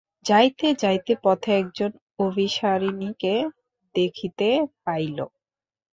যাইতে যাইতে পথে একজন অভিসারিণীকে দেখিতে পাইল।